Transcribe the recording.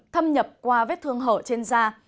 thâm nhập qua vết thương hở trên da